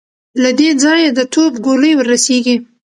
له دې ځايه د توپ ګولۍ ور رسېږي.